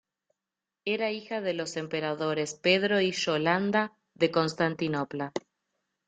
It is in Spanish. Era hija de los emperadores Pedro y Yolanda de Constantinopla.